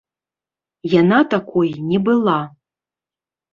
Яна такой не была.